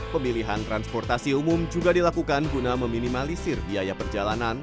pemilihan transportasi umum juga dilakukan guna meminimalisir biaya perjalanan